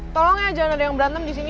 tolong ya jangan ada yang berantem di sini